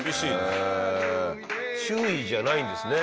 注意じゃないんですね。